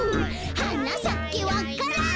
「はなさけわか蘭」